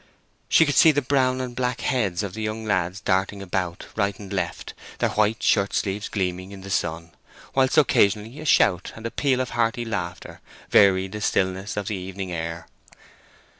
She could see the brown and black heads of the young lads darting about right and left, their white shirt sleeves gleaming in the sun; whilst occasionally a shout and a peal of hearty laughter varied the stillness of the evening air.